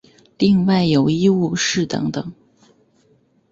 另外有医务室等等。